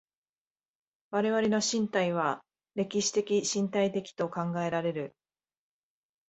我々の身体は歴史的身体的と考えられる。